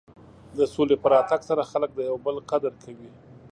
د سولې په راتګ سره خلک د یو بل قدر کوي.